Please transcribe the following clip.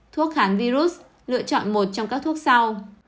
thuốc kháng virus lựa chọn một trong các thuốc sau